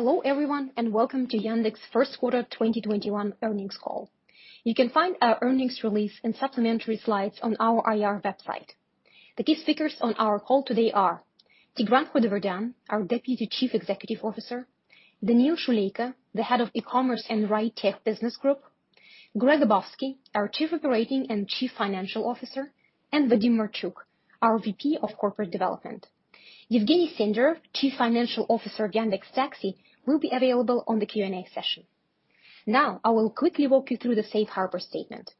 Hello everyone and welcome to Yandex first quarter 2021 earnings call. You can find our earnings release and supplementary slides on our IR website. The key speakers on our call today are Tigran Khudaverdyan, our Deputy Chief Executive Officer. Daniil Shuleyko, the Head of eCommerce and Ride Tech Business Group. Greg Abovsky, our Chief Operating and Chief Financial Officer. Vadim Marchuk, our VP of Corporate Development. Yevgeny Senderov, Chief Financial Officer of Yandex Taxi will be available on the Q&A session. Now, I will quickly walk you through the Safe Harbor statement.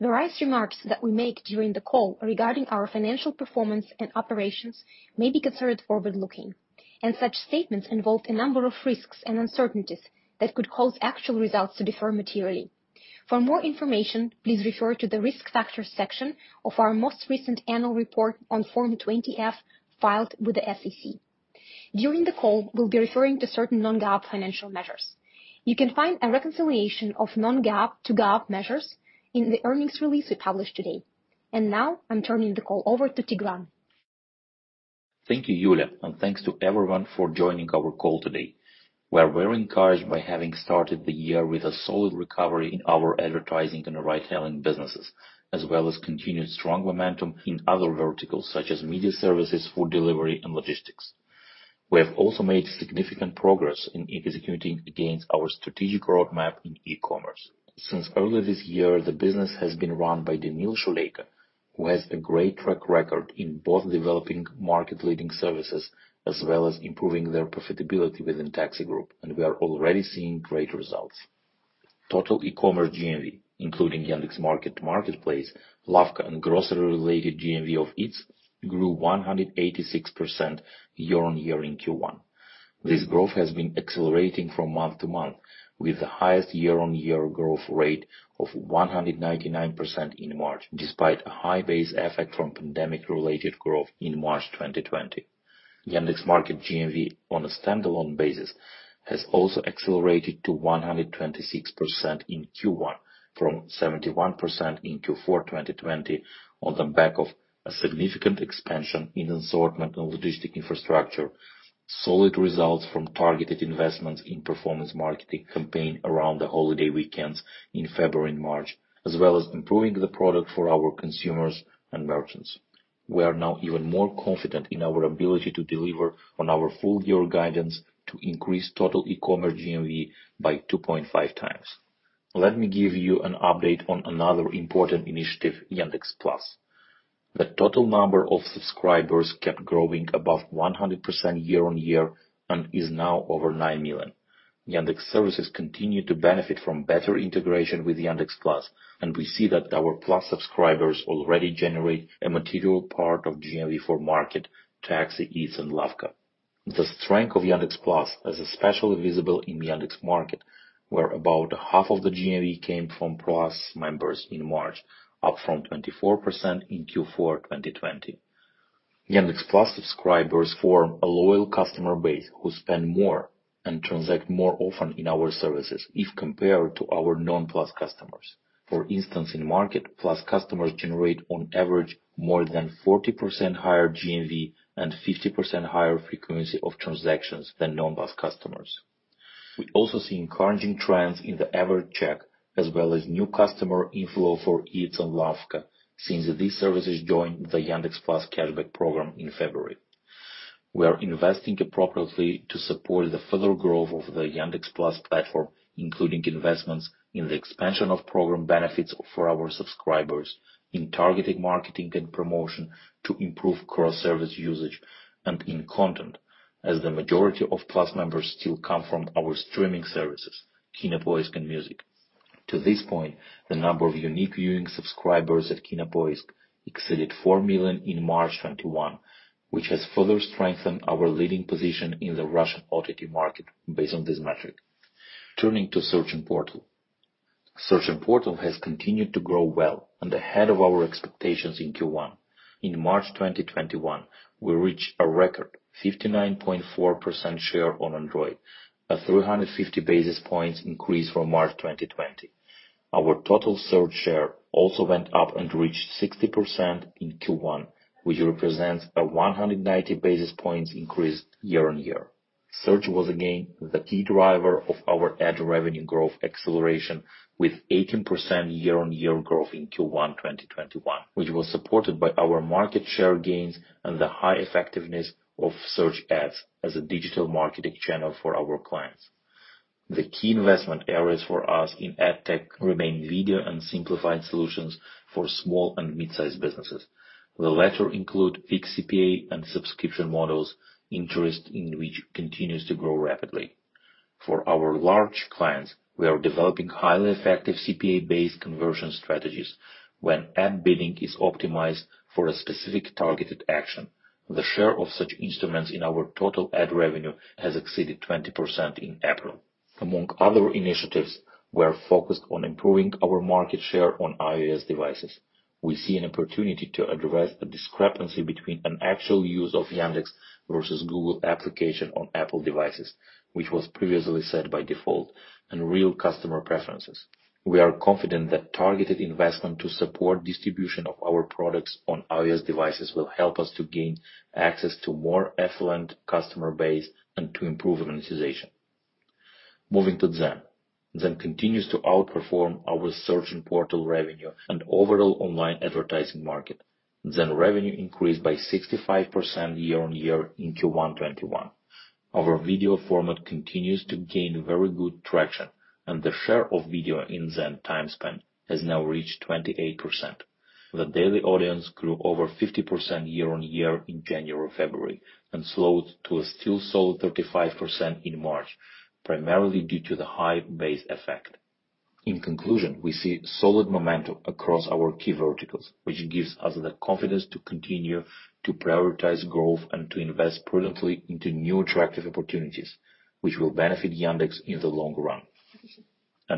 Various remarks that we make during the call regarding our financial performance and operations may be considered forward-looking, and such statements involve a number of risks and uncertainties that could cause actual results to differ materially. For more information, please refer to the risk factors section of our most recent annual report on Form 20-F filed with the SEC. During the call, we'll be referring to certain non-GAAP financial measures. You can find a reconciliation of non-GAAP to GAAP measures in the earnings release we published today. Now I'm turning the call over to Tigran. Thank you, Yulia, thanks to everyone for joining our call today. We are very encouraged by having started the year with a solid recovery in our advertising and retailing businesses, as well as continued strong momentum in other verticals such as media services, food delivery, and logistics. We have also made significant progress in executing against our strategic roadmap in eCommerce. Since early this year, the business has been run by Daniil Shuleyko, who has a great track record in both developing market-leading services as well as improving their profitability within Taxi Group, and we are already seeing great results. Total eCommerce GMV, including Yandex Market marketplace, Lavka, and grocery-related GMV of Eats grew 186% year-on-year in Q1. This growth has been accelerating from month-to-month with the highest year-on-year growth rate of 199% in March, despite a high base effect from pandemic related growth in March 2020. Yandex Market GMV on a standalone basis has also accelerated to 126% in Q1 from 71% in Q4 2020 on the back of a significant expansion in assortment and logistic infrastructure, solid results from targeted investments in performance marketing campaign around the holiday weekends in February and March, as well as improving the product for our consumers and merchants. We are now even more confident in our ability to deliver on our full year guidance to increase total e-commerce GMV by 2.5 times. Let me give you an update on another important initiative, Yandex Plus. The total number of subscribers kept growing above 100% year-on-year and is now over 9 million. Yandex services continue to benefit from better integration with Yandex Plus, and we see that our Plus subscribers already generate a material part of GMV for Market, Taxi, Eats, and Lavka. The strength of Yandex Plus is especially visible in Yandex Market, where about half of the GMV came from Plus members in March, up from 24% in Q4 2020. Yandex Plus subscribers form a loyal customer base who spend more and transact more often in our services if compared to our non-Plus customers. For instance, in Market, Plus customers generate on average more than 40% higher GMV and 50% higher frequency of transactions than non-Plus customers. We also see encouraging trends in the average check, as well as new customer inflow for Eats and Lavka since these services joined the Yandex Plus cashback program in February. We are investing appropriately to support the further growth of the Yandex Plus platform, including investments in the expansion of program benefits for our subscribers, in targeted marketing and promotion to improve cross-service usage, and in content as the majority of Plus members still come from our streaming services, Kinopoisk and Music. To this point, the number of unique viewing subscribers at Kinopoisk exceeded 4 million in March 2021, which has further strengthened our leading position in the Russian OTT market based on this metric. Turning to Search & Portal. Search & Portal has continued to grow well and ahead of our expectations in Q1. In March 2021, we reached a record 59.4% share on Android, a 350 basis points increase from March 2020. Our total search share also went up and reached 60% in Q1, which represents a 190 basis points increase year-on-year. Search was again the key driver of our ad revenue growth acceleration with 18% year-on-year growth in Q1 2021, which was supported by our market share gains and the high effectiveness of search ads as a digital marketing channel for our clients. The key investment areas for us in ad tech remain video and simplified solutions for small and mid-sized businesses. The latter include fixed CPA and subscription models, interest in which continues to grow rapidly. For our large clients, we are developing highly effective CPA based conversion strategies when ad billing is optimized for a specific targeted action. The share of such instruments in our total ad revenue has exceeded 20% in April. Among other initiatives, we are focused on improving our market share on iOS devices. We see an opportunity to address a discrepancy between an actual use of Yandex versus Google application on Apple devices, which was previously set by default and real customer preferences. We are confident that targeted investment to support distribution of our products on iOS devices will help us to gain access to more affluent customer base and to improve monetization. Moving to Zen. Zen continues to outperform our Search & Portal revenue and overall online advertising market. Zen revenue increased by 65% year-over-year in Q1 2021. Our video format continues to gain very good traction, and the share of video in Zen timespan has now reached 28%. The daily audience grew over 50% year-over-year in January or February, and slowed to a still solid 35% in March, primarily due to the high base effect. In conclusion, we see solid momentum across our key verticals, which gives us the confidence to continue to prioritize growth and to invest prudently into new attractive opportunities, which will benefit Yandex in the long run.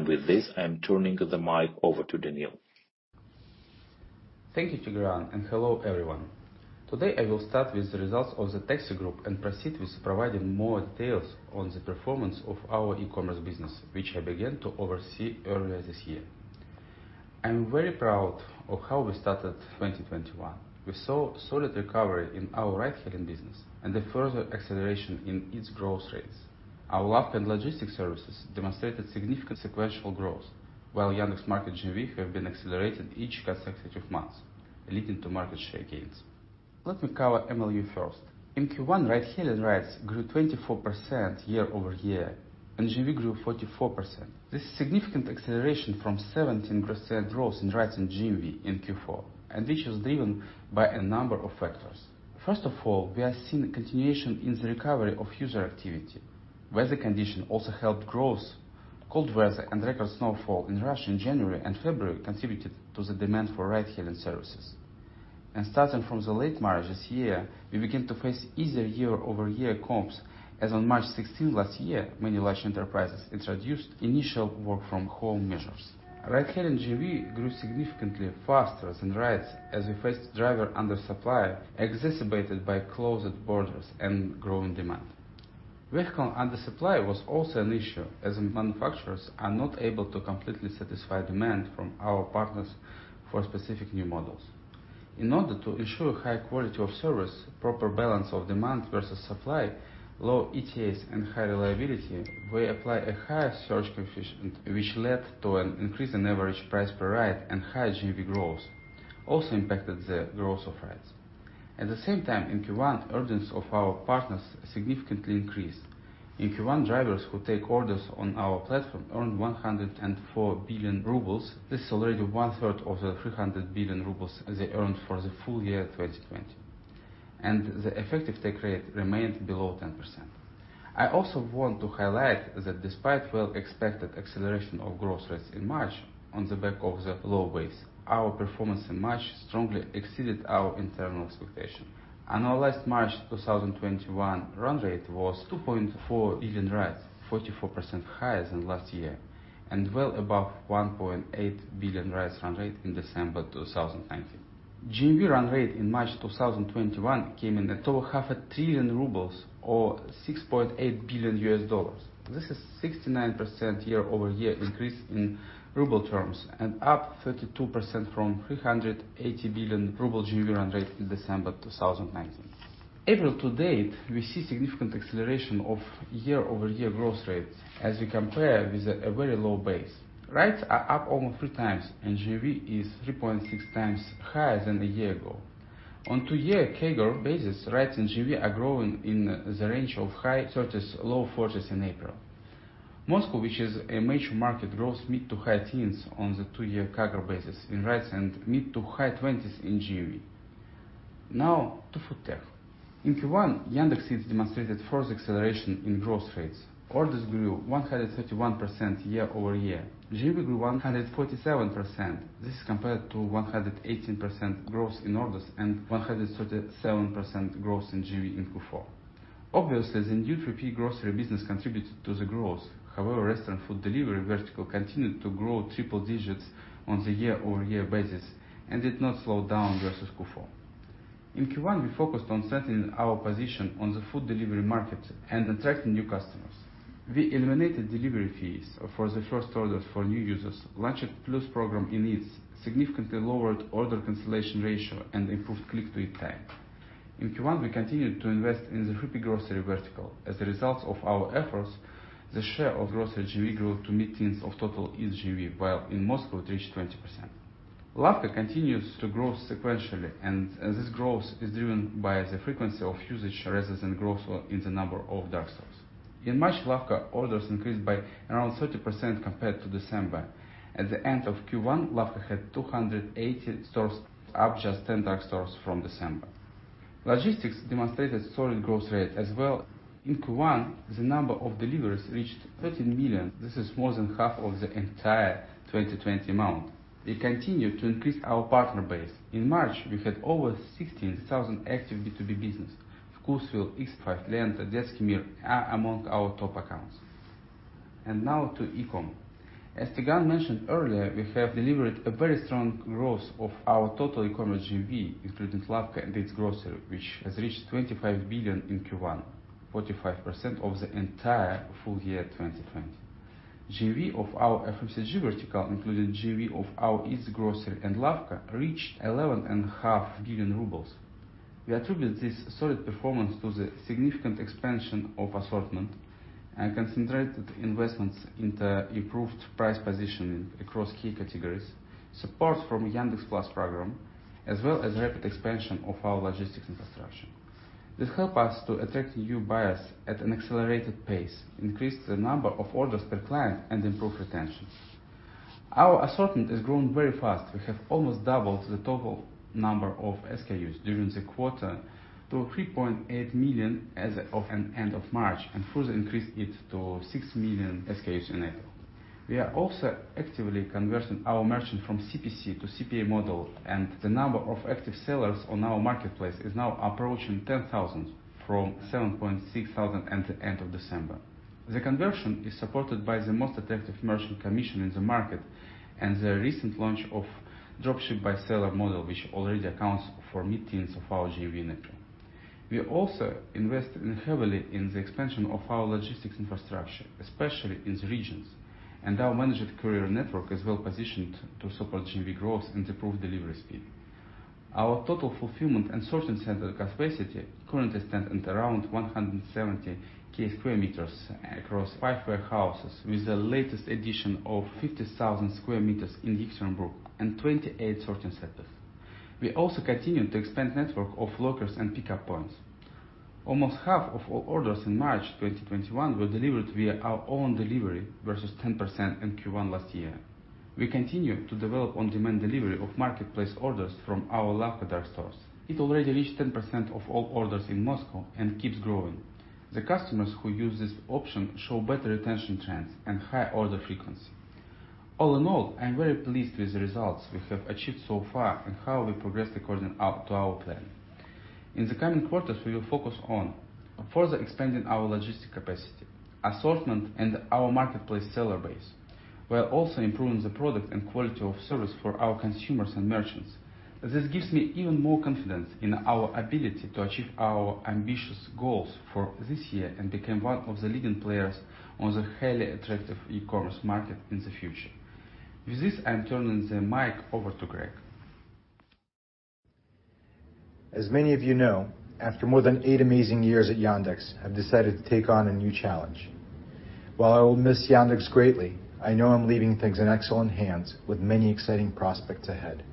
With this, I'm turning the mic over to Daniil. Thank you, Tigran. Hello everyone. Today, I will start with the results of the Taxi Group and proceed with providing more details on the performance of our e-commerce business, which I began to oversee earlier this year. I am very proud of how we started 2021. We saw solid recovery in our ride-hailing business and a further acceleration in its growth rates. Our Lavka logistics services demonstrated significant sequential growth, while Yandex Market GMV have been accelerating each consecutive month, leading to market share gains. Let me cover MLU first. In Q1, ride-hailing rides grew 24% year-over-year and GMV grew 44%. This is significant acceleration from 17% growth in rides and GMV in Q4. This is driven by a number of factors. First of all, we are seeing a continuation in the recovery of user activity. Weather condition also helped growth. Cold weather and record snowfall in Russia in January and February contributed to the demand for ride-hailing services. Starting from the late March this year, we began to face easier year-over-year comps, as on March 16 last year, many large enterprises introduced initial work from home measures. Ride-hailing GMV grew significantly faster than rides as we faced driver under supply, exacerbated by closed borders and growing demand. Vehicle under supply was also an issue, as manufacturers are not able to completely satisfy demand from our partners for specific new models. In order to ensure high quality of service, proper balance of demand versus supply, low ETAs and high reliability, we apply a higher search coefficient, which led to an increase in average price-per-ride and higher GMV growth also impacted the growth of rides. At the same time, in Q1, earnings of our partners significantly increased. In Q1, drivers who take orders on our platform earned 104 billion rubles. This is already 1/3 of the 300 billion rubles they earned for the full-year 2020, and the effective take rate remained below 10%. I also want to highlight that despite well expected acceleration of growth rates in March on the back of the low base, our performance in March strongly exceeded our internal expectation. Annualized March 2021 run-rate was 2.4 billion rides, 44% higher than last year, and well above 1.8 billion rides run-rate in December 2019. GMV run-rate in March 2021 came in at 500 billion rubles or $6.8 billion. This is 69% year-over-year increase in ruble terms and up 32% from 380 billion ruble GMV run-rate in December 2019. April to date, we see significant acceleration of year-over-year growth rates as we compare with a very low base. Rides are up almost 3x and GMV is 3.6x higher than a year ago. On two-year CAGR basis, rides and GMV are growing in the range of high 30%s, low 40%s in April. Moscow, which is a major market, grows mid to high teens on the two-year CAGR basis in rides and mid-to high- 20%s in GMV. Now to Foodtech. In Q1, Yandex Eats demonstrated further acceleration in growth rates. Orders grew 131% year-over-year. GMV grew 147%. This is compared to 118% growth in orders and 137% growth in GMV in Q4. Obviously, the new repeat grocery business contributed to the growth. However, restaurant food delivery continued to grow triple digits on the year-over-year basis and did not slow down versus Q4. In Q1, we focused on strengthening our position on the food delivery market and attracting new customers. We eliminated delivery fees for the first orders for new users, launched a Plus program in Eats, significantly lowered order cancellation ratio, and improved click-to-eat time. In Q1, we continued to invest in the repeat grocery. As a result of our efforts, the share of grocery GMV grew to mid-teens of total Eats GMV, while in Moscow, it reached 20%. Lavka continues to grow sequentially, and this growth is driven by the frequency of usage rather than growth in the number of dark stores. In March, Lavka orders increased by around 30% compared to December. At the end of Q1, Lavka had 280 stores, up just ten dark stores from December. Logistics demonstrated solid growth rate as well. In Q1, the number of deliveries reached 13 million. This is more than half of the entire 2020 amount. We continued to increase our partner base. In March, we had over 16,000 active B2B business. VkusVill, X5, Lenta, Detsky Mir are among our top accounts. Now to e-com. As Tigran mentioned earlier, we have delivered a very strong growth of our total e-commerce GMV, including Lavka and its grocery, which has reached 25 billion in Q1, 45% of the entire full year 2020. GMV of our FMCG vertical, including GMV of our Eats grocery and Lavka, reached 11.5 billion rubles. We attribute this solid performance to the significant expansion of assortment and concentrated investments into improved price positioning across key categories, support from Yandex Plus program, as well as rapid expansion of our logistics infrastructure. This help us to attract new buyers at an accelerated pace, increase the number of orders per client, and improve retention. Our assortment has grown very fast. We have almost doubled the total number of SKUs during the quarter to 3.8 million as of an end of March, and further increased it to 6 million SKUs in April. We are also actively converting our merchant from CPC to CPA model, and the number of active sellers on our marketplace is now approaching 10,000 from 7,600 at the end of December. The conversion is supported by the most attractive merchant commission in the market and the recent launch of dropship by seller-model, which already accounts for mid-teens of our GMV network. We also investing heavily in the expansion of our logistics infrastructure, especially in the regions, and our managed carrier network is well positioned to support GMV growth and improved delivery speed. Our total fulfillment and sorting center capacity currently stand at around 170,000 sq m across five warehouses with the latest addition of 50,000 sq m in Yekaterinburg and 28 sorting centers. We also continue to expand network of lockers and pickup points. Almost half of all orders in March 2021 were delivered via our own delivery, versus 10% in Q1 last year. We continue to develop on-demand delivery of marketplace orders from our Lavka dark stores. It already reached 10% of all orders in Moscow and keeps growing. The customers who use this option show better retention trends and high order frequency. All in all, I am very pleased with the results we have achieved so far and how we progressed according to our plan. In the coming quarters, we will focus on further expanding our logistic capacity, assortment, and our marketplace seller base, while also improving the product and quality of service for our consumers and merchants. This gives me even more confidence in our ability to achieve our ambitious goals for this year and become one of the leading players on the highly attractive e-commerce market in the future. With this, I'm turning the mic over to Greg. As many of you know, after more than eight amazing years at Yandex, I've decided to take on a new challenge. While I will miss Yandex greatly, I know I'm leaving things in excellent hands with many exciting prospects ahead.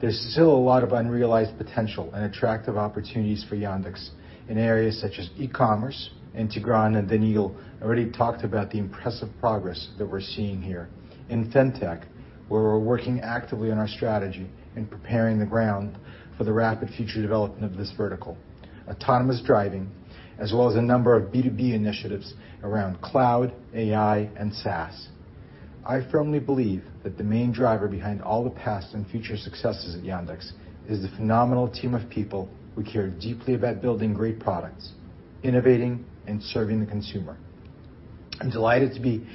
There's still a lot of unrealized potential and attractive opportunities for Yandex in areas such as e-commerce, and Tigran and Daniil already talked about the impressive progress that we're seeing here. In Fintech, where we're working actively on our strategy and preparing the ground for the rapid future development of this vertical. Autonomous driving, as well as a number of B2B initiatives around Cloud, AI, and SaaS. I firmly believe that the main driver behind all the past and future successes at Yandex is the phenomenal team of people who care deeply about building great products, innovating, and serving the consumer. I'm delighted to be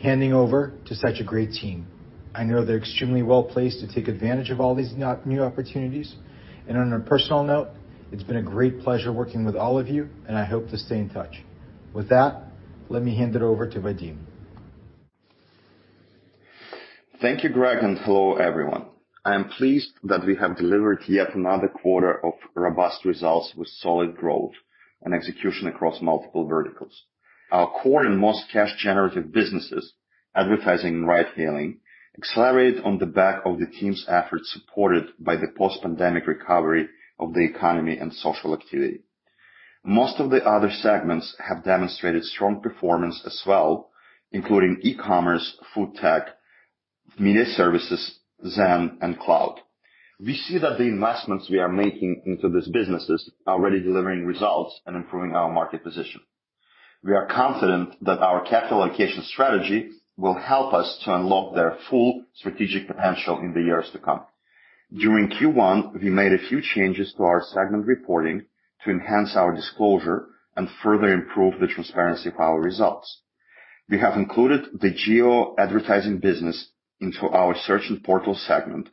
handing over to such a great team. I know they're extremely well-placed to take advantage of all these new opportunities. On a personal note, it's been a great pleasure working with all of you, and I hope to stay in touch. With that, let me hand it over to Vadim. Thank you, Greg, and hello, everyone. I am pleased that we have delivered yet another quarter of robust results with solid growth and execution across multiple verticals. Our core and most cash-generative businesses, advertising and ride-hailing, accelerated on the back of the team's efforts supported by the post-pandemic recovery of the economy and social activity. Most of the other segments have demonstrated strong performance as well, including e-commerce, Foodtech, Media Services, Zen, and Cloud. We see that the investments we are making into these businesses are already delivering results and improving our market position. We are confident that our capital allocation strategy will help us to unlock their full strategic potential in the years to come. During Q1, we made a few changes to our segment reporting to enhance our disclosure and further improve the transparency of our results. We have included the Geo advertising business into our Search & Portal segment,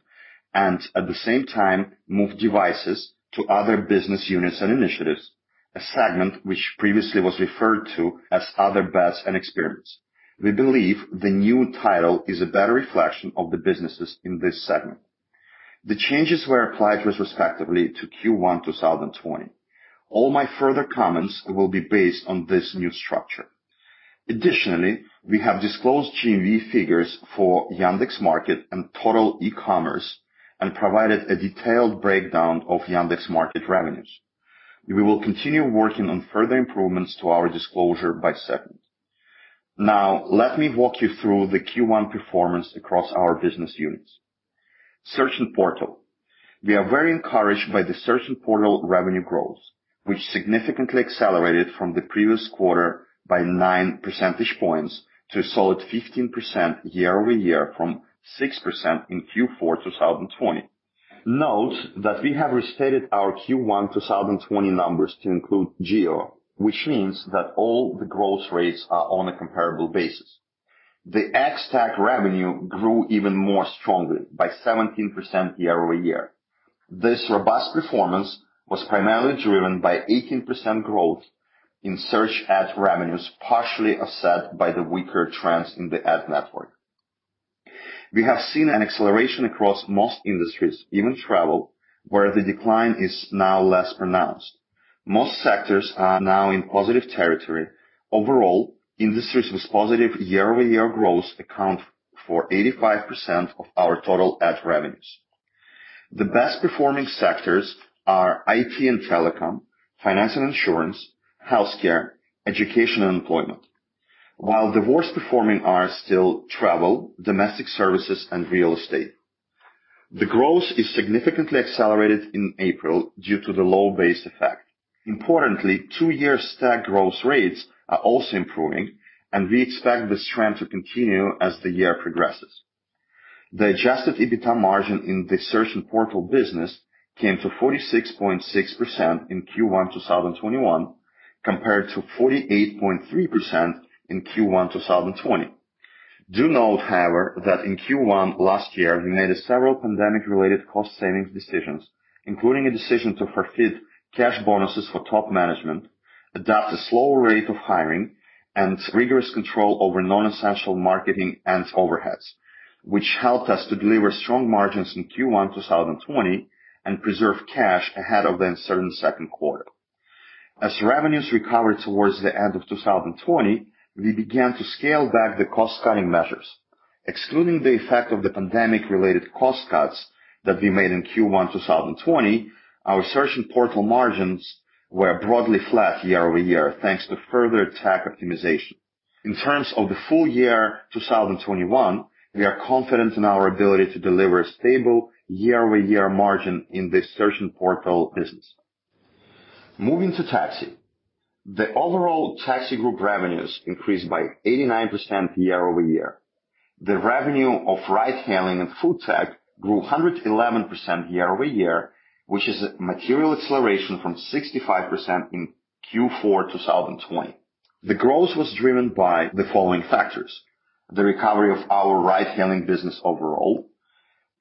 and at the same time moved Devices to other business units and initiatives, a segment which previously was referred to as Other Bets and Experiments. We believe the new title is a better reflection of the businesses in this segment. The changes were applied retrospectively to Q1 2020. All my further comments will be based on this new structure. Additionally, we have disclosed GMV figures for Yandex Market and total e-commerce and provided a detailed breakdown of Yandex Market revenues. We will continue working on further improvements to our disclosure by segment. Now, let me walk you through the Q1 performance across our business units. Search & Portal. We are very encouraged by the Search & Portal revenue growth, which significantly accelerated from the previous quarter by nine percentage points to a solid 15% year-over-year from 6% in Q4 2020. Note that we have restated our Q1 2020 numbers to include Geo, which means that all the growth rates are on a comparable basis. The ex-TAC revenue grew even more strongly, by 17% year-over-year. This robust performance was primarily driven by 18% growth in search ad revenues, partially offset by the weaker trends in the ad network. We have seen an acceleration across most industries, even travel, where the decline is now less pronounced. Most sectors are now in positive territory. Overall, industries with positive year-over-year growth account for 85% of our total ad revenues. The best performing sectors are IT and telecom, finance and insurance, healthcare, education, and employment. While the worst performing are still travel, domestic services, and real estate. The growth is significantly accelerated in April due to the low base effect. Importantly, two-year stack growth rates are also improving, and we expect this trend to continue as the year progresses. The adjusted EBITDA margin in the Search & Portal business came to 46.6% in Q1 2021, compared to 48.3% in Q1 2020. Do note, however, that in Q1 last year, we made several pandemic-related cost-savings decisions, including a decision to forfeit cash bonuses for top management, adopt a slow rate of hiring, and rigorous control over non-essential marketing and overheads, which helped us to deliver strong margins in Q1 2020 and preserve cash ahead of the uncertain second quarter. As revenues recovered towards the end of 2020, we began to scale back the cost-cutting measures. Excluding the effect of the pandemic-related cost cuts that we made in Q1 2020, our Search & Portal margins were broadly flat year-over-year, thanks to further tech optimization. In terms of the full year 2021, we are confident in our ability to deliver stable year-over-year margin in the Search & Portal business. Moving to Taxi. The overall Taxi Group revenues increased by 89% year-over-year. The revenue of ride hailing and FoodTech grew 111% year-over-year, which is a material acceleration from 65% in Q4 2020. The growth was driven by the following factors. The recovery of our ride hailing business overall,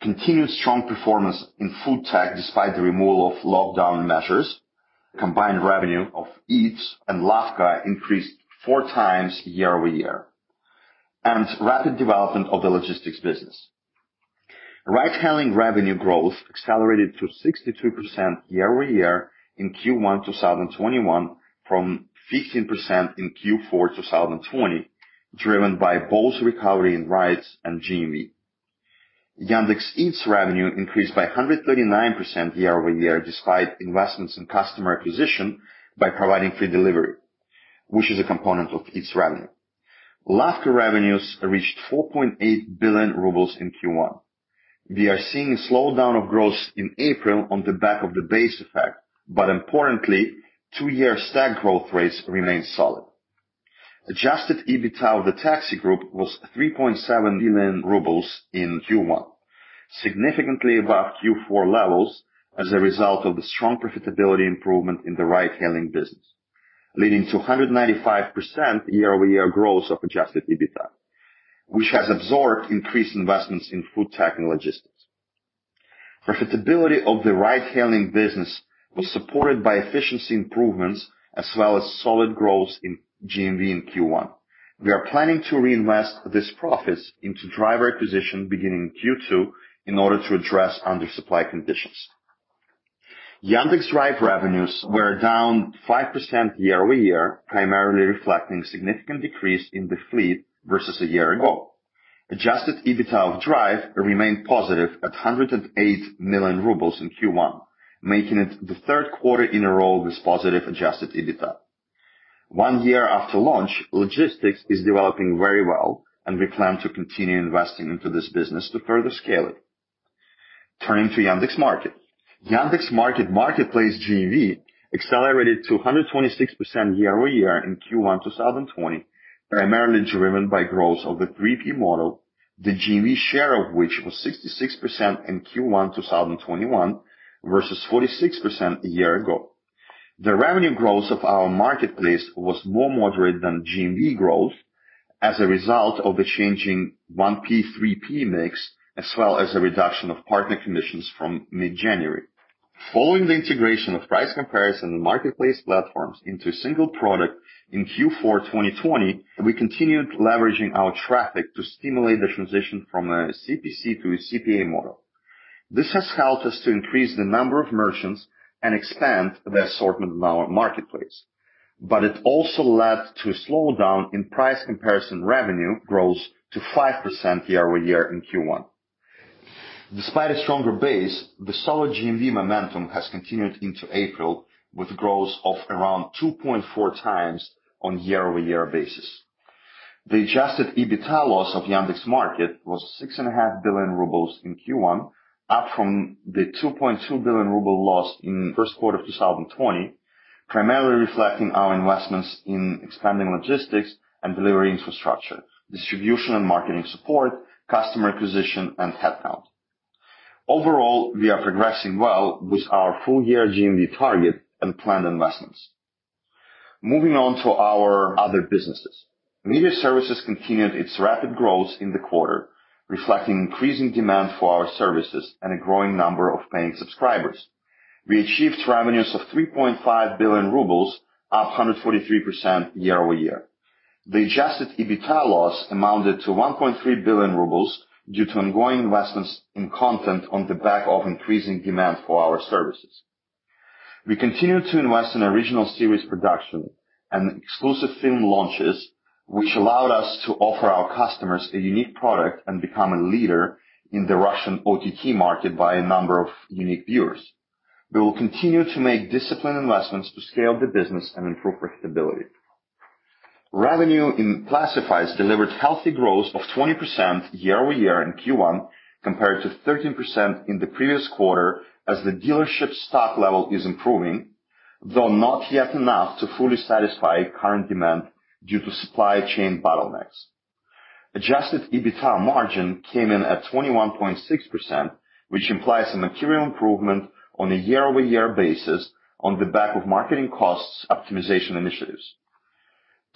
continued strong performance in food tech despite the removal of lockdown measures. Combined revenue of Eats and Lavka increased 4x year-over-year, and rapid development of the logistics business. Ride hailing revenue growth accelerated to 62% year-over-year in Q1 2021 from 15% in Q4 2020 driven by both recovery in rides and GMV. Yandex Eats revenue increased by 139% year-over-year despite investments in customer acquisition by providing free delivery, which is a component of Eats revenue. Lavka revenues reached 4.8 billion rubles in Q1. We are seeing a slowdown of growth in April on the back of the base effect, but importantly, two-year stack growth rates remain solid. Adjusted EBITDA of the Taxi Group was 3.7 billion rubles in Q1, significantly above Q4 levels as a result of the strong profitability improvement in the ride hailing business, leading to 195% year-over-year growth of adjusted EBITDA, which has absorbed increased investments in FoodTech and Logistics. Profitability of the ride hailing business was supported by efficiency improvements as well as solid growth in GMV in Q1. We are planning to reinvest this profits into driver acquisition beginning in Q2 in order to address under supply conditions. Yandex Drive revenues were down 5% year-over-year, primarily reflecting significant decrease in the fleet versus a year ago. Adjusted EBITDA of Drive remained positive at 108 million rubles in Q1, making it the third quarter in a row with positive adjusted EBITDA. One year after launch, logistics is developing very well and we plan to continue investing into this business to further scale it. Turning to Yandex Market. Yandex Market marketplace GMV accelerated to 126% year-over-year in Q1 2020, primarily driven by growth of the 3P model, the GMV share of which was 66% in Q1 2021 versus 46% a year ago. The revenue growth of our Marketplace was more moderate than GMV growth as a result of the changing 1P/3P Mix, as well as a reduction of partner commissions from mid-January. Following the integration of price comparison and Marketplace platforms into a single product in Q4 2020, we continued leveraging our traffic to stimulate the transition from a CPC to a CPA model. This has helped us to increase the number of merchants and expand the assortment in our Marketplace, but it also led to a slowdown in price comparison revenue growth to 5% year-over-year in Q1. Despite a stronger base, the solid GMV momentum has continued into April with growth of around 2.4x on year-over-year basis. The adjusted EBITDA loss of Yandex Market was 6.5 billion rubles in Q1, up from the 2.2 billion ruble loss in the first quarter of 2020, primarily reflecting our investments in expanding logistics and delivery infrastructure, distribution and marketing support, customer acquisition, and headcount. Overall, we are progressing well with our full-year GMV target and planned investments. Moving on to our other businesses. Media services continued its rapid growth in the quarter, reflecting increasing demand for our services and a growing number of paying subscribers. We achieved revenues of 3.5 billion rubles, up 143% year-over-year. The adjusted EBITDA loss amounted to 1.3 billion rubles due to ongoing investments in content on the back of increasing demand for our services. We continue to invest in original series production and exclusive film launches, which allowed us to offer our customers a unique product and become a leader in the Russian OTT market by a number of unique viewers. We will continue to make disciplined investments to scale the business and improve profitability. Revenue in Classifieds delivered healthy growth of 20% year-over-year in Q1, compared to 13% in the previous quarter, as the dealership stock level is improving, though not yet enough to fully satisfy current demand due to supply chain bottlenecks. Adjusted EBITDA margin came in at 21.6%, which implies a material improvement on a year-over-year basis on the back of marketing costs optimization initiatives.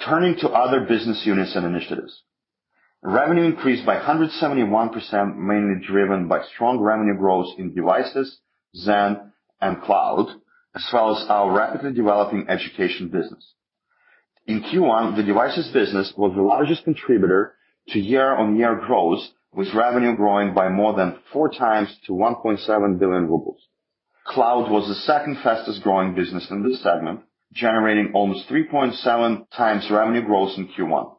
Turning to other business units and initiatives. Revenue increased by 171%, mainly driven by strong revenue growth in Devices, Zen, and Cloud, as well as our rapidly developing education business. In Q1, the Devices business was the largest contributor to year-on-year growth, with revenue growing by more than 4x to 1.7 billion rubles. Cloud was the second fastest growing business in this segment, generating almost 3.7x revenue growth in Q1.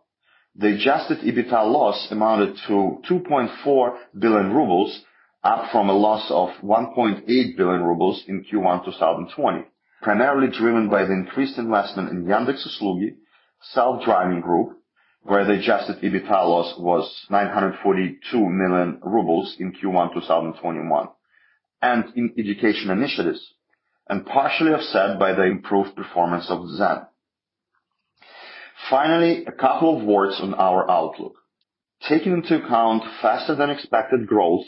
The adjusted EBITDA loss amounted to 2.4 billion rubles, up from a loss of 1.8 billion rubles in Q1 2020, primarily driven by the increased investment in Yandex Self-Driving Group, where the adjusted EBITDA loss was 942 million rubles in Q1 2021, and in education initiatives, and partially offset by the improved performance of Zen. A couple of words on our outlook. Taking into account faster-than-expected growth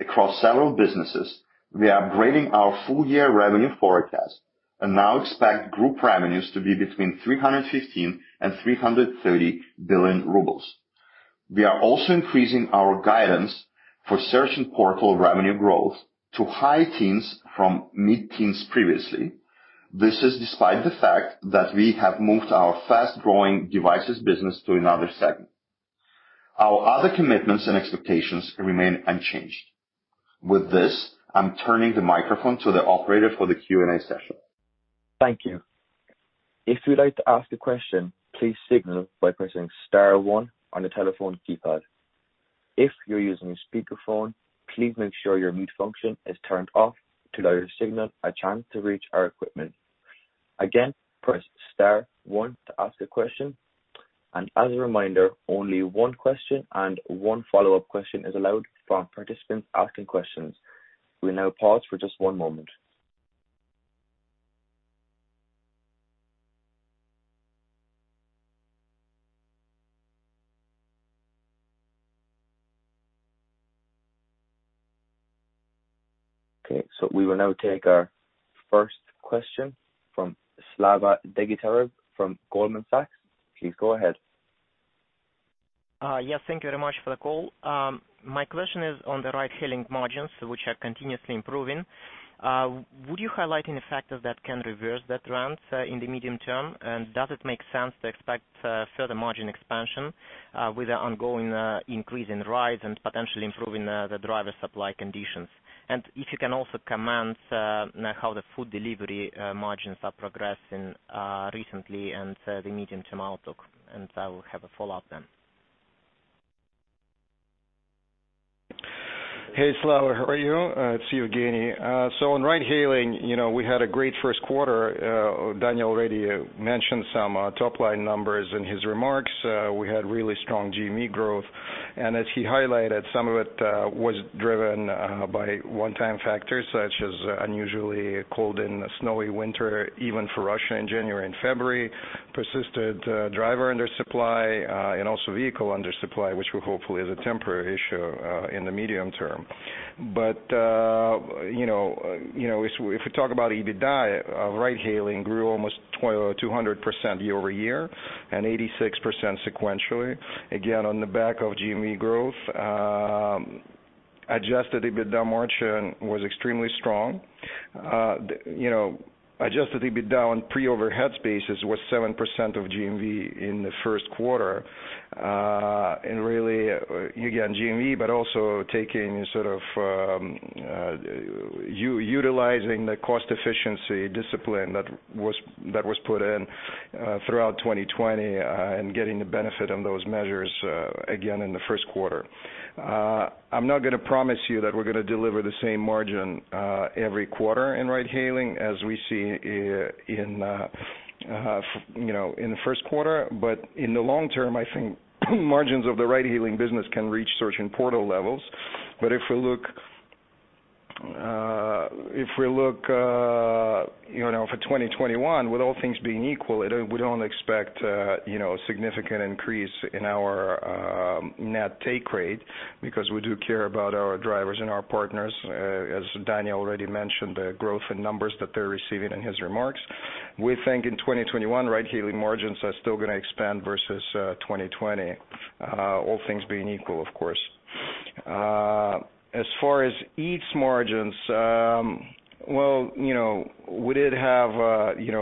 across several businesses, we are upgrading our full-year revenue forecast and now expect group revenues to be between 315 billion and 330 billion rubles. We are also increasing our guidance for Search & Portal revenue growth to high teens from mid teens previously. This is despite the fact that we have moved our fast-growing Devices business to another segment. Our Other Commitments and Expectations remain unchanged. With this, I'm turning the microphone to the operator for the Q&A session. Thank you. If you'd like to ask a question, please signal by pressing star one on the telephone keypad. If you're using a speakerphone, please make sure your mute function is turned off to allow your signal a chance to reach our equipment. Again, press star one to ask a question, and as a reminder, only one question and one follow-up question is allowed from participants asking questions. We will now pause for just one moment. Okay, we will now take our first question from Slava Degtyarev from Goldman Sachs. Please go ahead. Yes, thank you very much for the call. My question is on the ride-hailing margins, which are continuously improving. Would you highlight any factors that can reverse that trend in the medium term? Does it make sense to expect further margin expansion with the ongoing increase in rides and potentially improving the driver supply conditions? If you can also comment on how the food delivery margins are progressing recently and the medium-term outlook, and I will have a follow-up then. Hey, Slava. How are you? It's Yevgeny. On ride hailing, we had a great first quarter. Daniil already mentioned some top-line numbers in his remarks. We had really strong GMV growth. As he highlighted, some of it was driven by one-time factors, such as unusually cold and snowy winter, even for Russia in January and February, persistent driver undersupply, and also vehicle undersupply, which hopefully is a temporary issue in the medium term. If we talk about EBITDA, ride hailing grew almost 200% year-over-year and 86% sequentially. Again, on the back of GMV growth adjusted EBITDA margin was extremely strong. Adjusted EBITDA on pre-overhead basis was 7% of GMV in the first quarter. Really, again, GMV, but also utilizing the cost efficiency discipline that was put in throughout 2020 and getting the benefit of those measures again in the first quarter. I'm not going to promise you that we're going to deliver the same margin every quarter in ride-hailing as we see in the first quarter. In the long term, I think margins of the ride-hailing business can reach Search & Portal levels. If we look for 2021, with all things being equal, we don't expect a significant increase in our net take rate because we do care about our drivers and our partners. As Daniil already mentioned, the growth in numbers that they're receiving in his remarks. We think in 2021, ride-hailing margins are still going to expand versus 2020. All things being equal, of course. As far as Eats margins, we did have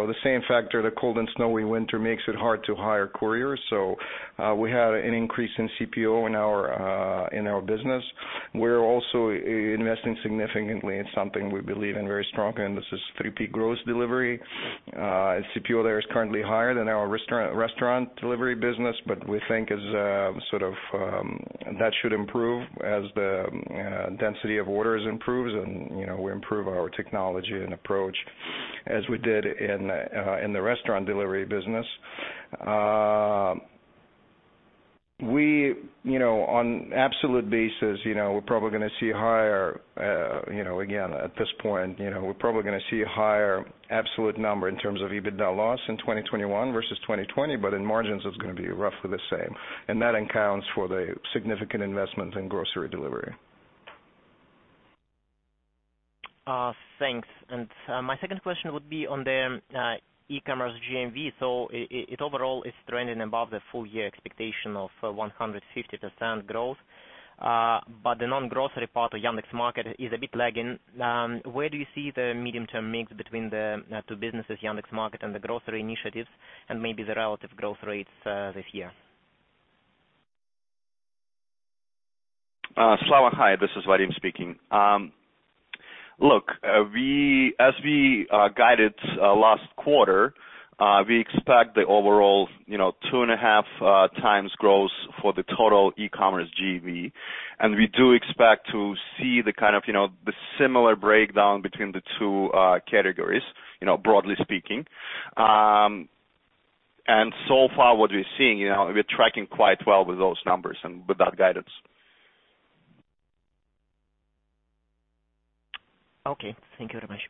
the same factor, the cold and snowy winter makes it hard to hire couriers. We had an increase in CPO in our business. We're also investing significantly in something we believe in very strongly, and this is express grocery delivery. CPO there is currently higher than our restaurant delivery business, but we think that should improve as the density of orders improves and we improve our technology and approach as we did in the restaurant delivery business. On absolute basis, again, at this point, we're probably going to see a higher absolute number in terms of EBITDA loss in 2021 versus 2020. In margins, it's going to be roughly the same, and that accounts for the significant investment in grocery delivery. Thanks. My second question would be on the e-commerce GMV. It overall is trending above the full-year expectation of 150% growth. The non-grocery part of Yandex Market is a bit lagging. Where do you see the medium-term mix between the two businesses, Yandex Market and the grocery initiatives, and maybe the relative growth rates this year? Slava, hi, this is Vadim speaking. Look, as we guided last quarter, we expect the overall 2.5x growth for the total e-commerce GMV. We do expect to see the similar breakdown between the two categories, broadly speaking. So far what we're seeing, we're tracking quite well with those numbers and with that guidance. Okay. Thank you very much.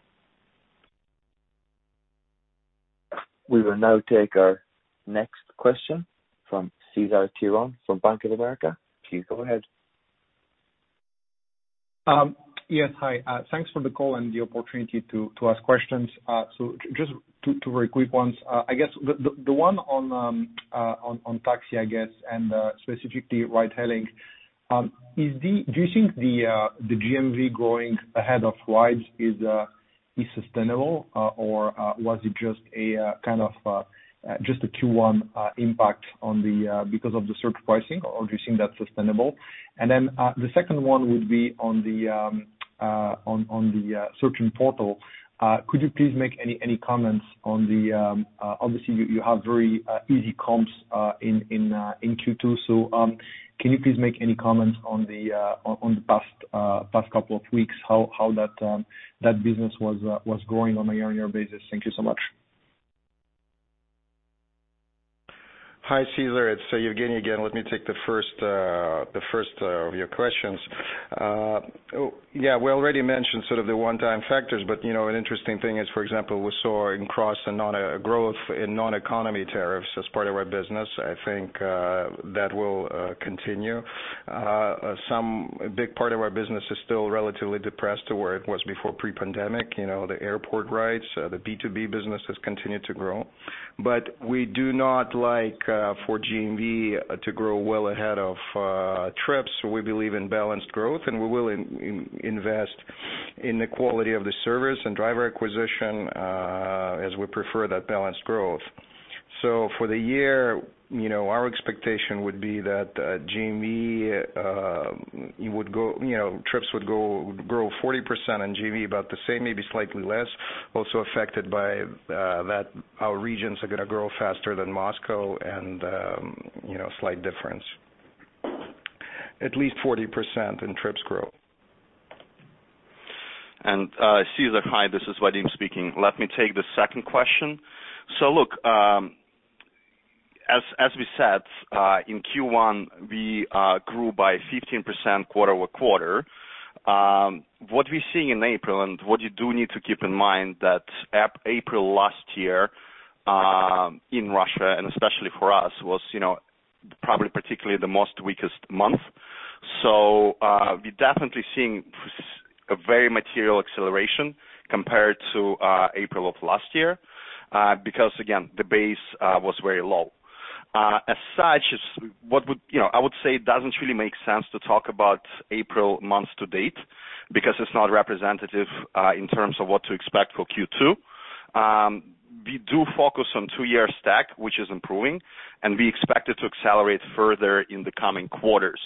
We will now take our next question from Cesar Tiron from Bank of America. Please go ahead. Yes, hi. Thanks for the call and the opportunity to ask questions. Just two very quick ones. I guess the one on Taxi, and specifically ride-hailing. Do you think the GMV growing ahead of rides is sustainable, or was it just a Q1 impact because of the surge pricing, or do you think that's sustainable? The second one would be on the Search & Portal. Obviously, you have very easy comps in Q2, so can you please make any comments on the past couple of weeks? How that business was growing on a year-on-year basis? Thank you so much. Hi, Cesar, it's Yevgeny again. Let me take the first of your questions. Yeah, we already mentioned sort of the one-time factors, but an interesting thing is, for example, we saw across a growth in non-economy tariffs as part of our business. I think that will continue. Some big part of our business is still relatively depressed to where it was before pre-pandemic. The airport rides, the B2B business has continued to grow. We do not like for GMV to grow well ahead of trips. We believe in balanced growth, and we will invest in the quality of the service and driver acquisition as we prefer that balanced growth. For the year, our expectation would be that trips would grow 40% and GMV about the same, maybe slightly less. Also affected by that our regions are going to grow faster than Moscow and slight difference. At least 40% in trips growth. Cesar, hi, this is Vadim speaking. Look, as we said, in Q1, we grew by 15% quarter-over-quarter. What we're seeing in April and what you do need to keep in mind that April last year in Russia, and especially for us, was probably particularly the most weakest month. We're definitely seeing a very material acceleration compared to April of last year because, again, the base was very low. As such, I would say it doesn't really make sense to talk about April month-to-date because it's not representative in terms of what to expect for Q2. We do focus on two-year stack, which is improving, and we expect it to accelerate further in the coming quarters.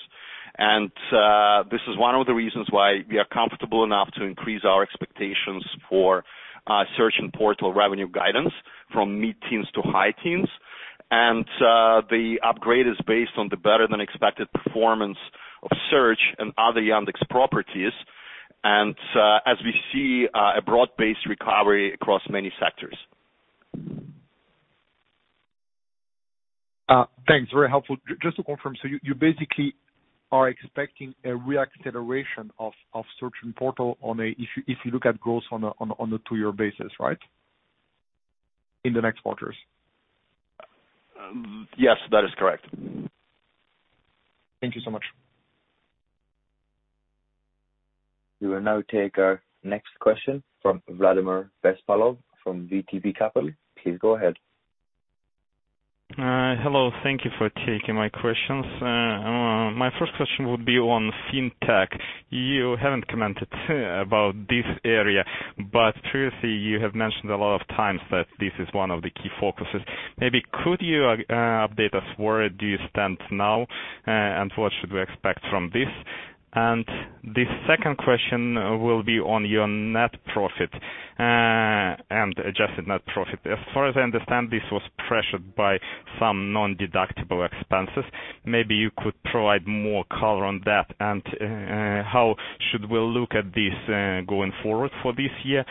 This is one of the reasons why we are comfortable enough to increase our expectations for Search & Portal revenue guidance from mid-teens to high teens. The upgrade is based on the better than expected performance of search and other Yandex properties, and as we see a broad-based recovery across many sectors. Thanks, very helpful. Just to confirm, you basically are expecting a re-acceleration of Search & Portal if you look at growth on a two-year basis, right? In the next quarters. Yes, that is correct. Thank you so much. We will now take our next question from Vladimir Bespalov from VTB Capital. Please go ahead. Hello. Thank you for taking my questions. My first question would be on Fintech. You haven't commented about this area, but previously, you have mentioned a lot of times that this is one of the key focuses. Maybe could you update us where do you stand now and what should we expect from this? The second question will be on your net profit and adjusted net profit. As far as I understand, this was pressured by some non-deductible expenses. Maybe you could provide more color on that and how should we look at this going forward for this year?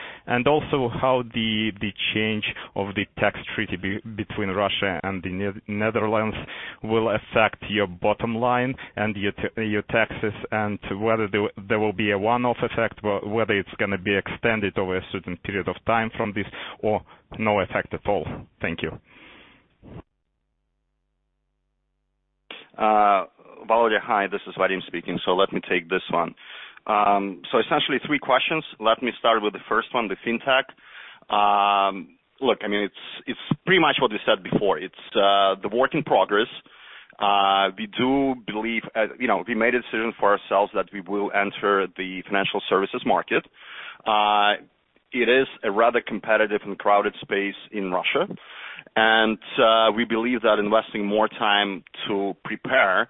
Also how the change of the tax treaty between Russia and the Netherlands will affect your bottom line and your taxes, and whether there will be a one-off effect, whether it's going to be extended over a certain period of time from this or no effect at all. Thank you. Vladimir, hi, this is Vadim speaking. Let me take this one. Essentially three questions. Let me start with the first one, the Fintech. Look, it's pretty much what we said before. It's the work in progress. We made a decision for ourselves that we will enter the financial services market. It is a rather competitive and crowded space in Russia. We believe that investing more time to prepare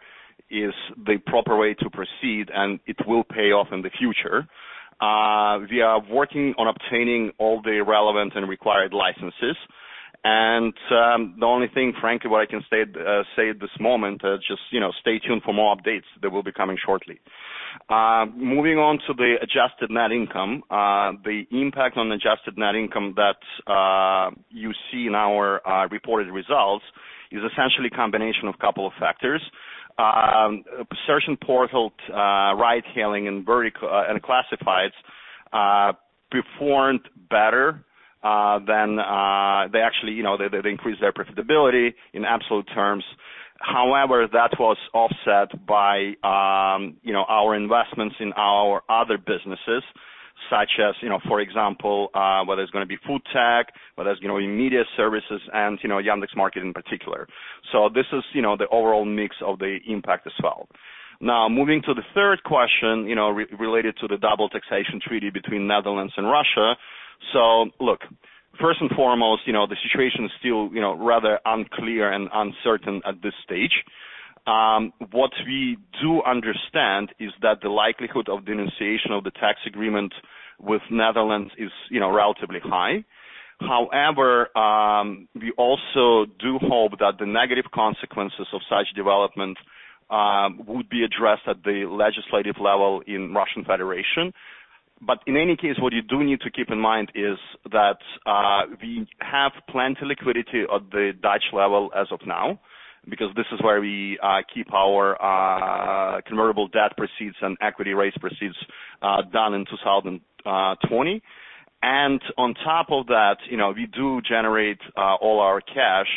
is the proper way to proceed, and it will pay off in the future. We are working on obtaining all the relevant and required licenses. The only thing, frankly, what I can say at this moment is just stay tuned for more updates that will be coming shortly. Moving on to the adjusted net income. The impact on adjusted net income that you see in our reported results is essentially a combination of couple of factors. Search & Portal, ride-hailing, and Classifieds performed better. They increased their profitability in absolute terms. That was offset by our investments in our other businesses, such as, for example, whether it's going to be FoodTech, whether it's going to be media services and Yandex Market in particular. This is the overall mix of the impact as well. Moving to the third question related to the double taxation treaty between Netherlands and Russia. Look, first and foremost, the situation is still rather unclear and uncertain at this stage. What we do understand is that the likelihood of denunciation of the tax agreement with Netherlands is relatively high. We also do hope that the negative consequences of such development would be addressed at the legislative level in Russian Federation. In any case, what you do need to keep in mind is that we have plenty liquidity at the Dutch level as of now, because this is where we keep our convertible debt proceeds and equity raise proceeds done in 2020. On top of that, we do generate all our cash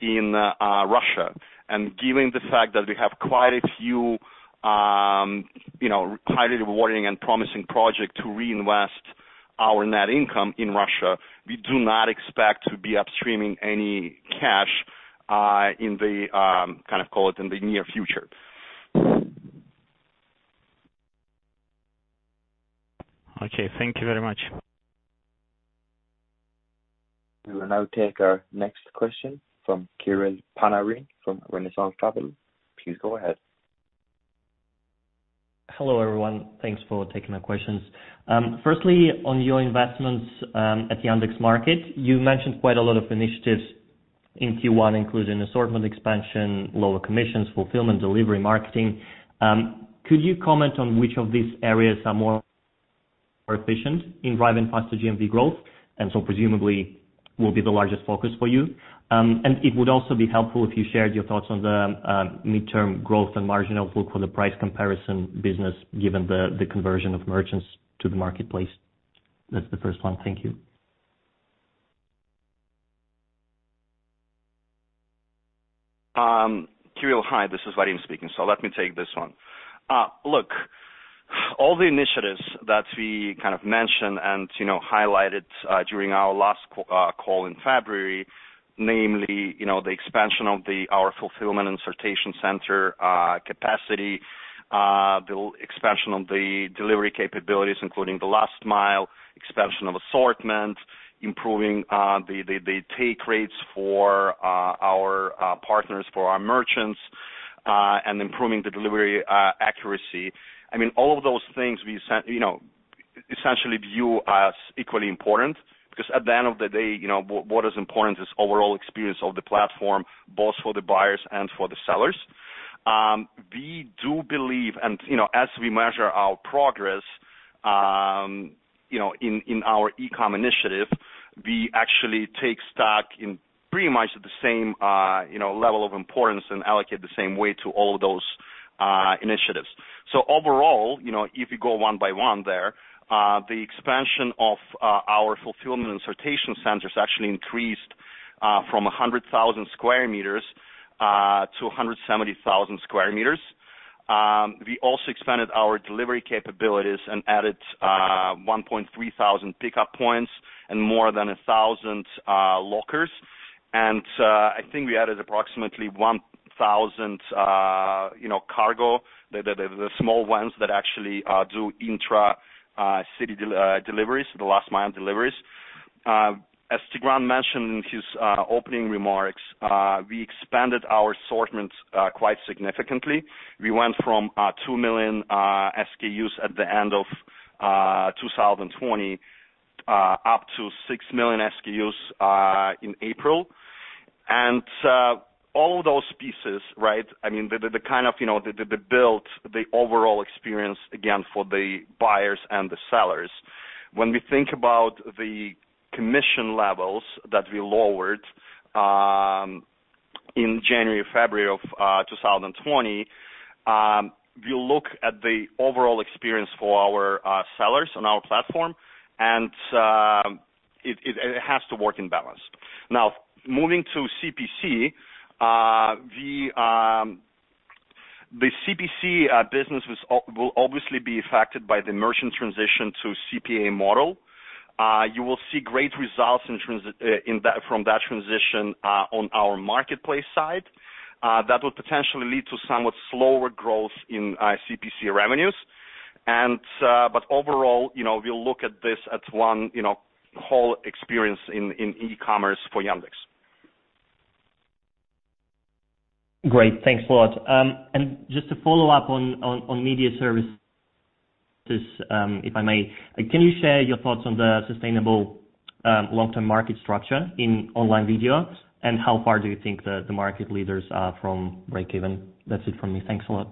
in Russia. Given the fact that we have quite a few highly rewarding and promising project to reinvest our net income in Russia, we do not expect to be upstreaming any cash in the near future. Okay. Thank you very much. We will now take our next question from Kirill Panarin from Renaissance Capital. Please go ahead. Hello, everyone. Thanks for taking my questions. Firstly, on your investments at Yandex Market, you mentioned quite a lot of initiatives in Q1, including assortment expansion, lower commissions, fulfillment, delivery, marketing. Could you comment on which of these areas are more efficient in driving faster GMV growth, and so presumably will be the largest focus for you? It would also be helpful if you shared your thoughts on the midterm growth and margin outlook for the price comparison business, given the conversion of merchants to the marketplace. That's the first one. Thank you. Kirill, hi. This is Vadim speaking. Let me take this one. Look, all the initiatives that we mentioned and highlighted during our last call in February, namely, the expansion of our fulfillment and sortation center capacity, the expansion of the delivery capabilities, including the last mile, expansion of assortment, improving the take rates for our partners, for our merchants, and improving the delivery accuracy. All of those things we essentially view as equally important, because at the end of the day, what is important is overall experience of the platform, both for the buyers and for the sellers. We do believe, and as we measure our progress in our e-com initiative, we actually take stock in pretty much the same level of importance and allocate the same weight to all those initiatives. Overall, if you go one by one there, the expansion of our fulfillment and sortation centers actually increased from 100,000 sq m to 170,000 sq m. We also expanded our delivery capabilities and added 1,300 pickup points and more than 1,000 lockers. I think we added approximately 1,000 cargo, the small ones that actually do intra-city deliveries, the last mile deliveries. As Tigran mentioned in his opening remarks, we expanded our assortment quite significantly. We went from 2 million SKUs at the end of 2020 up to 6 million SKUs in April. All of those pieces, they built the overall experience, again, for the buyers and the sellers. When we think about the commission levels that we lowered in January, February of 2020, we look at the overall experience for our sellers on our platform, and it has to work in balance. Now, moving to CPC. The CPC business will obviously be affected by the merchant transition to CPA model. You will see great results from that transition on our marketplace side. That will potentially lead to somewhat slower growth in CPC revenues. Overall, we'll look at this as one whole experience in e-commerce for Yandex. Great. Thanks a lot. Just to follow up on Media Services, if I may. Can you share your thoughts on the sustainable long-term market structure in online video? How far do you think the market leaders are from breakeven? That's it from me. Thanks a lot.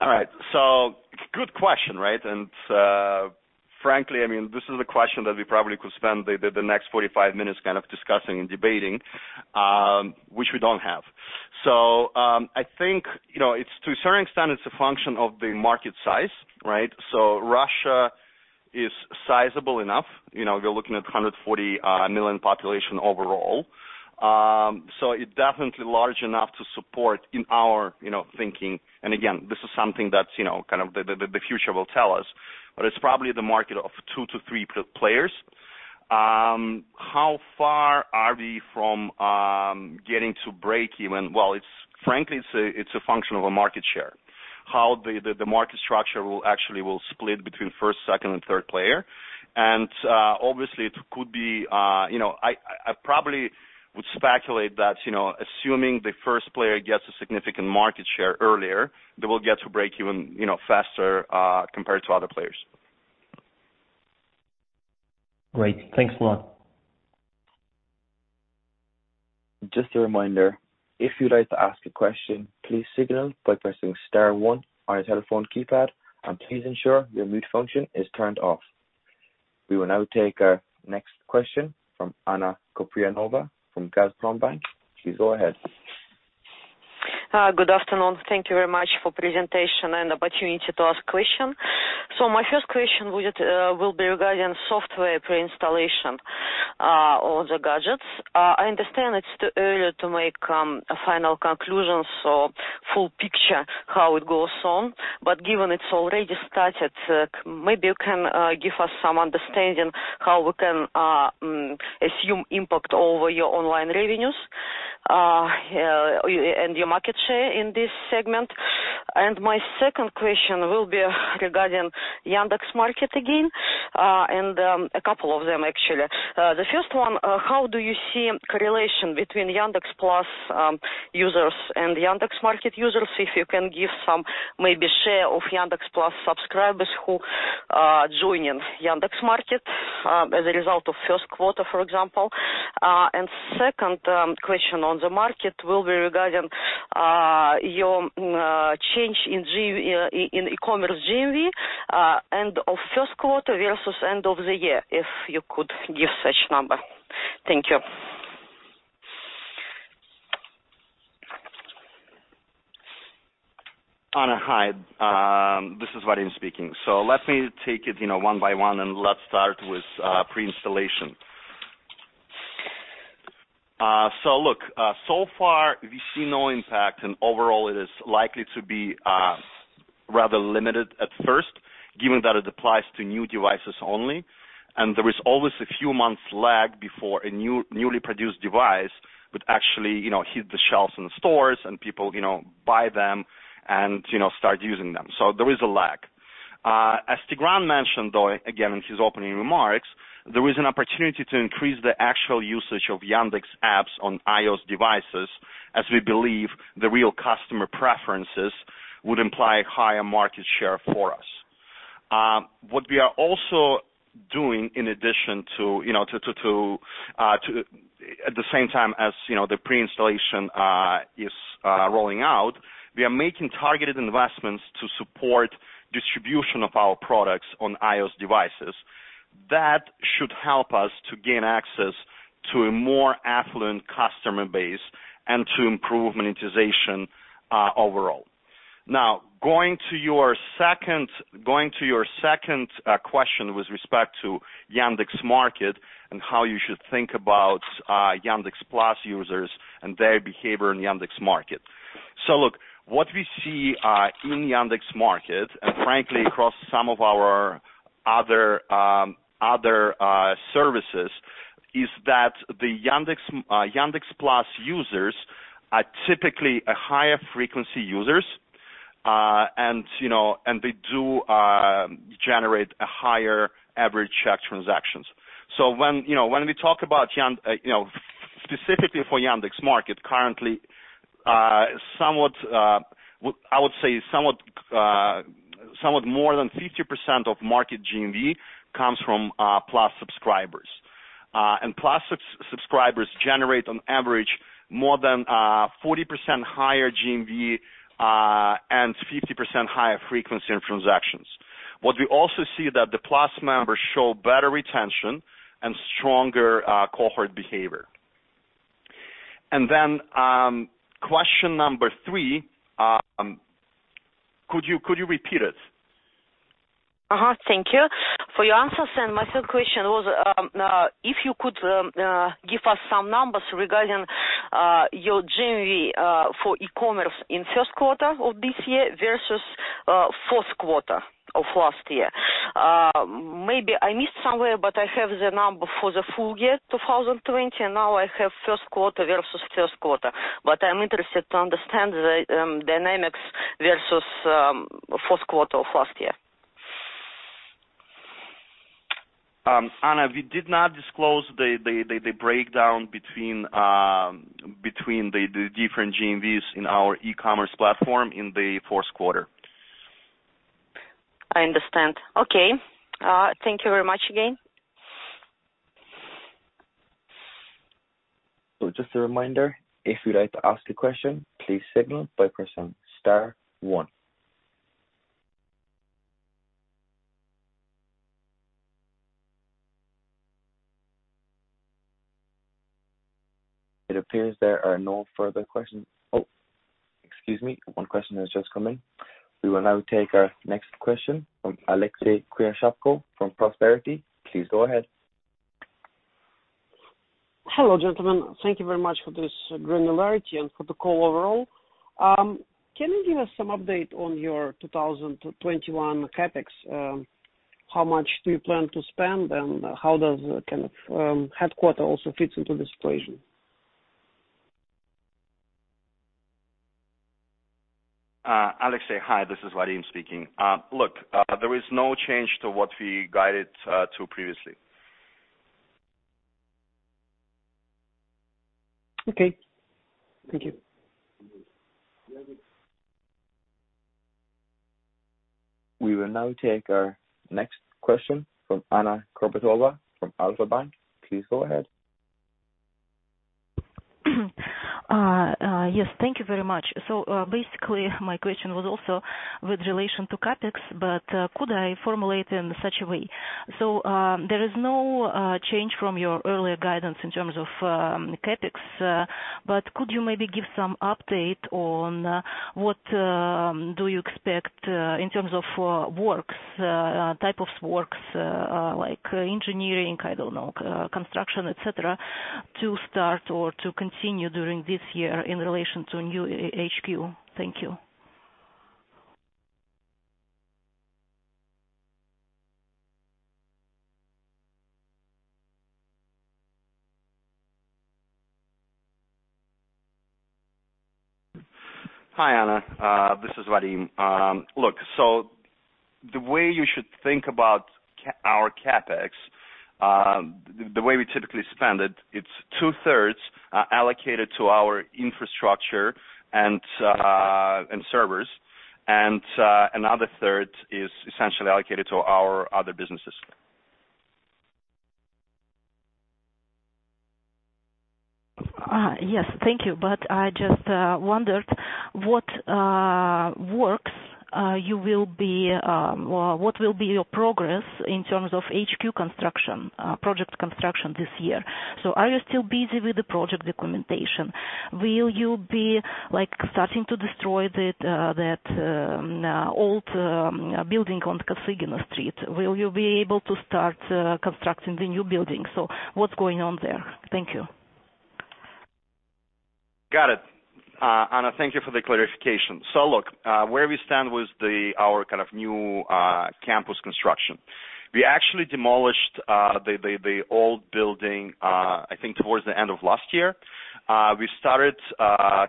All right. Good question. Frankly, this is a question that we probably could spend the next 45 minutes discussing and debating, which we don't have. I think, to a certain extent, it's a function of the market size, right? Russia is sizable enough. You're looking at 140 million population overall. It's definitely large enough to support in our thinking. Again, this is something that the future will tell us, but it's probably the market of two to three players. How far are we from getting to breakeven? Well, frankly, it's a function of a market share, how the market structure will actually split between first, second, and third player. Obviously, I probably would speculate that assuming the first player gets a significant market share earlier, they will get to breakeven faster compared to other players. Great. Thanks a lot. Just a reminder, if you'd like to ask a question, please signal by pressing star one on your telephone keypad, and please ensure your mute function is turned off. We will now take our next question from Anna Kupriyanova from Gazprombank. Please go ahead. Good afternoon. Thank you very much for presentation and opportunity to ask question. My first question will be regarding software pre-installation on the gadgets. I understand it's too early to make a final conclusion, so full picture how it goes on. Given it's already started, maybe you can give us some understanding how we can assume impact over your online revenues and your market share in this segment. My second question will be regarding Yandex Market again, and a couple of them, actually. The first one, how do you see correlation between Yandex Plus users and Yandex Market users? If you can give some, maybe share of Yandex Plus subscribers who are joining Yandex Market as a result of first quarter, for example. Second question on the market will be regarding your change in e-commerce GMV end of first quarter versus end of the year, if you could give such number. Thank you. Anna, hi. This is Vadim speaking. Let me take it one-by-one, and let's start with pre-installation. Look, so far we see no impact, and overall it is likely to be rather limited at first, given that it applies to new devices only. There is always a few months lag before a newly produced device would actually hit the shelves in stores and people buy them and start using them. There is a lag. As Tigran mentioned, though, again, in his opening remarks, there is an opportunity to increase the actual usage of Yandex apps on iOS devices, as we believe the real customer preferences would imply higher market share for us. What we are also doing at the same time as the pre-installation is rolling out, we are making targeted investments to support distribution of our products on iOS devices. That should help us to gain access to a more affluent customer base and to improve monetization overall. Going to your second question with respect to Yandex Market and how you should think about Yandex Plus users and their behavior in Yandex Market. Look, what we see in Yandex Market, and frankly across some of our other services, is that the Yandex Plus users are typically higher frequency users, and they do generate higher average check transactions. Specifically for Yandex Market, currently, I would say somewhat more than 50% of Market GMV comes from Plus subscribers. Plus subscribers generate on average more than 40% higher GMV, and 50% higher frequency in transactions. What we also see that the Plus members show better retention and stronger cohort behavior. Question number three, could you repeat it? Thank you for your answers. My third question was, if you could give us some numbers regarding your GMV for e-commerce in first quarter of this year versus fourth quarter of last year. Maybe I missed somewhere, but I have the number for the full year 2020, and now I have first quarter versus first quarter. But I am interested to understand the dynamics versus fourth quarter of last year. Anna, we did not disclose the breakdown between the different GMVs in our e-commerce platform in the fourth quarter. I understand. Okay. Thank you very much again. Just a reminder, if you'd like to ask a question, please signal by pressing star one. It appears there are no further questions. Oh, excuse me. One question has just come in. We will now take our next question from Alexei Krivoshapko from Prosperity. Please go ahead. Hello, gentlemen. Thank you very much for this granularity and for the call overall. Can you give us some update on your 2021 CapEx? How much do you plan to spend, and how does headquarter also fit into this equation? Alexei, hi. This is Vadim speaking. Look, there is no change to what we guided to previously. Okay. Thank you. We will now take our next question from Anna Kurbatova from Alfa-Bank. Please go ahead. Yes. Thank you very much. Basically, my question was also with relation to CapEx, but could I formulate in such a way? There is no change from your earlier guidance in terms of CapEx, but could you maybe give some update on what do you expect in terms of type of works like engineering, I don't know, construction, et cetera, to start or to continue during this year in relation to new HQ? Thank you. Hi, Anna. This is Vadim. Look, the way you should think about our CapEx, the way we typically spend it's two-thirds allocated to our infrastructure and servers, and another third is essentially allocated to our other businesses. Yes. Thank you. I just wondered what will be your progress in terms of HQ project construction this year. Are you still busy with the project documentation? Will you be starting to destroy that old building on Kosygina Street? Will you be able to start constructing the new building? What's going on there? Thank you. Got it. Anna, thank you for the clarification. Look, where we stand with our new campus construction. We actually demolished the old building, I think towards the end of last year. We started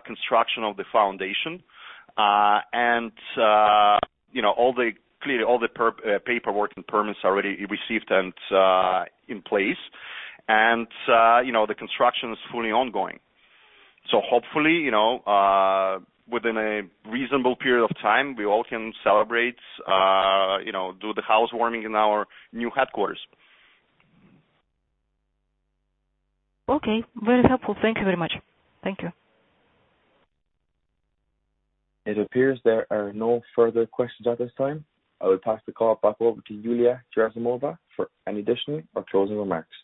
construction of the foundation, and clearly all the paperwork and permits already received and in place. The construction is fully ongoing. Hopefully, within a reasonable period of time, we all can celebrate, do the housewarming in our new headquarters. Okay. Very helpful. Thank you very much. Thank you. It appears there are no further questions at this time. I will pass the call back over to Yulia Gerasimova for any additional or closing remarks.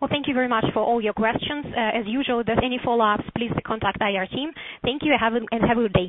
Well, thank you very much for all your questions. As usual, with any follow-ups, please contact IR team. Thank you, and have a good day.